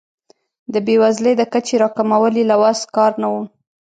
د بیوزلۍ د کچې راکمول یې له وس کار نه و.